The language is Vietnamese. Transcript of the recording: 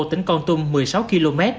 tỉnh con tum một mươi sáu km